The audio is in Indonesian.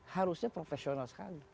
harusnya profesional sekali